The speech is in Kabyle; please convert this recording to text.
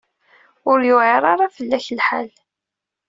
Ur yewɛir ara fell-ak lḥal.